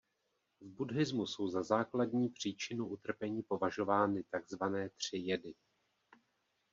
V buddhismu jsou za základní příčinu utrpení považovány takzvané tři jedy.